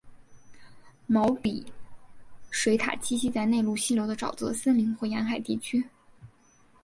毛鼻水獭栖息在内陆溪流的沼泽森林或沿海地区。